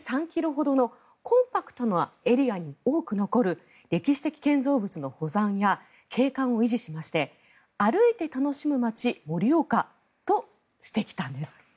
特に盛岡駅から東に３ｋｍほどのコンパクトなエリアに多く残る歴史的建造物の保存や景観を維持しまして歩いて楽しむまち盛岡としてきたんです。